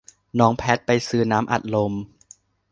น้องแพทไปซื้อน้ำอัดลม